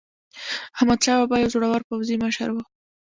احمدشاه بابا یو زړور پوځي مشر و.